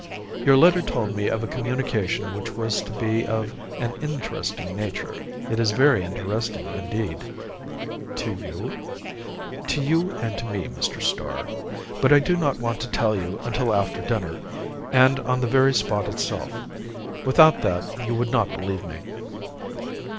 "Your letter told me of a communication which was to be of an interesting nature." "It is very interesting indeed." "To you?" "To you and to me, Mr. Starr. But I do not want to tell it you until after dinner, and on the very spot itself. Without that you would not believe me."